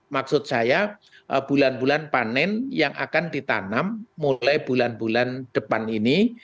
maksud saya bulan bulan panen yang akan ditanam mulai bulan bulan depan ini